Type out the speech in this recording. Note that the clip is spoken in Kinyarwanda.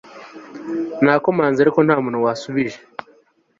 Nakomanze ariko nta muntu wasubije